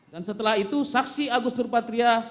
dan setelah itu saksi agus nurpatria